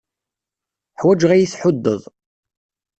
Ḥwajeɣ ad iyi-tḥuddeḍ.